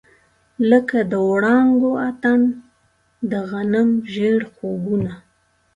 لکه د وړانګو اتڼ، د غنم ژړ خوبونه